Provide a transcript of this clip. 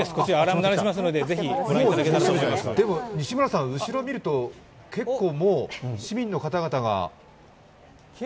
でも西村さん、後ろを見るともう結構、市民の方々が。